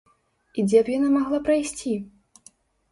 І дзе б яна магла прайсці?